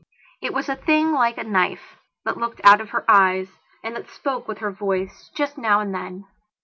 It was a thing like a knife that looked out of her eyes and that spoke with her voice, just now and then.